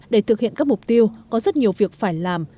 để thực hiện các mục tiêu có rất nhiều việc phải làm